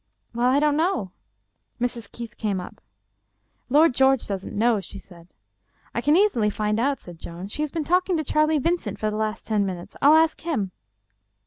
" Well, I don't know." Mrs. Keith came up. " Lord George doesn't know," she said. " I can easily find out," said Joan. " She has been talk ing to Charlie Vincent for the last ten minutes; I'll ask him."